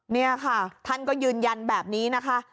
นี่ค่ะท่านก็ยืนยันแบบนี้นะคะ